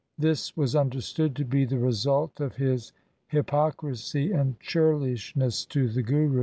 This was understood to be the result of his hypocrisy and churlishness to the Guru.